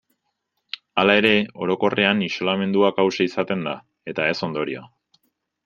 Hala ere, orokorrean isolamendua kausa izaten da, eta ez ondorioa.